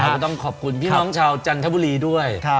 ก็ต้องขอบคุณพี่น้องชาวจันทบุรีด้วย